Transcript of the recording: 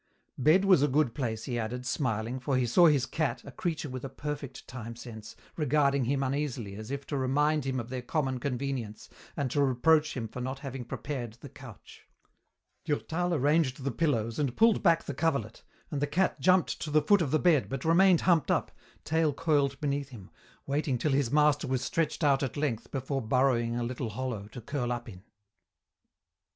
Bed was a good place, he added, smiling, for he saw his cat, a creature with a perfect time sense, regarding him uneasily as if to remind him of their common convenience and to reproach him for not having prepared the couch. Durtal arranged the pillows and pulled back the coverlet, and the cat jumped to the foot of the bed but remained humped up, tail coiled beneath him, waiting till his master was stretched out at length before burrowing a little hollow to curl up in.